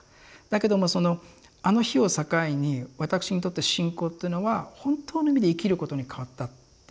だけどもそのあの日を境に私にとって信仰っていうのは本当の意味で生きることに変わったって言えるんだと思うんですよ。